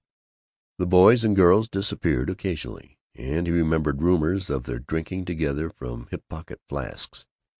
The boys and girls disappeared occasionally, and he remembered rumors of their drinking together from hip pocket flasks.